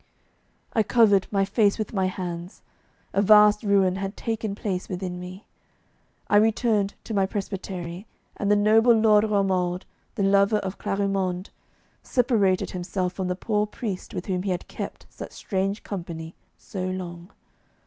I covered my face with my hands, a vast ruin had taken place within me. I returned to my presbytery, and the noble Lord Romuald, the lover of Clarimonde, separated himself from the poor priest with whom he had kept such strange company so long.